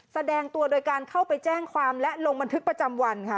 แสดงตัวโดยการเข้าไปแจ้งความและลงบันทึกประจำวันค่ะ